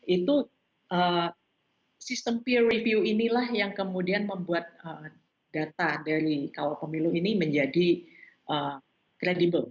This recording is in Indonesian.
itu sistem peer review inilah yang kemudian membuat data dari kawal pemilu ini menjadi kredibel